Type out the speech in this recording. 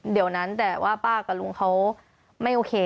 เดี๋ยวนั้นแต่ว่าป้ากับลุงเขาไม่โอเค